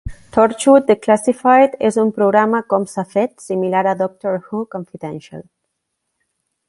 "Torchwood Declassified" és un programa "com-s'ha-fet" similar a "Doctor Who Confidential".